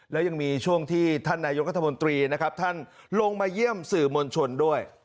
และยังมีช่วงที่ท่านนายกัธมนตรีท่านลงมาเยี่ยมสื่อมณชนด้วย